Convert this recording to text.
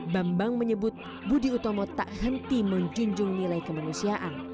bambang menyebut budi utomo tak henti menjunjung nilai kemanusiaan